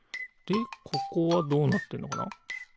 でここはどうなってるのかな？